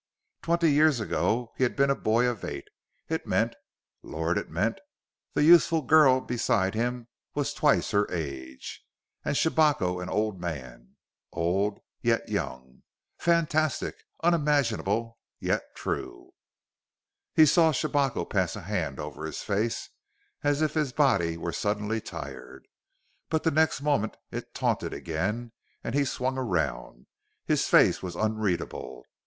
Twenty years ago he had been a boy of eight; it meant Lord! it meant the youthful girl beside him was twice her age; and Shabako an old man! Old yet young! Fantastic, unimaginable yet true! He saw Shabako pass a hand over his face, as if his body were suddenly tired; but the next moment it tautened again and he swung around. His face was unreadable.